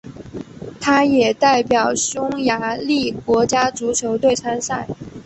他也代表匈牙利国家足球队参赛。